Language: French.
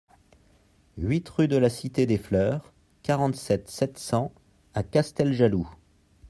huit rue de la Cité des Fleurs, quarante-sept, sept cents à Casteljaloux